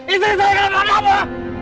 istri saya kenapa kenapa